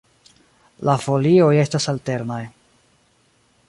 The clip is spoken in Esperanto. La folioj estas alternaj.